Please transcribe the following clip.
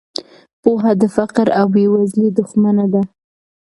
پوهه د فقر او بې وزلۍ دښمنه ده.